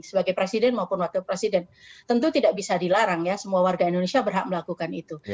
sebagai presiden maupun wakil presiden tentu tidak bisa dilarang ya semua warga indonesia berhak melakukan itu